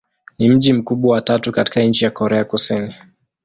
Ni mji mkubwa wa tatu katika nchi wa Korea Kusini.